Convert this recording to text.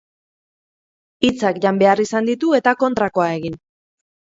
Hitzak jan behar izan ditu eta kontrakoa egin.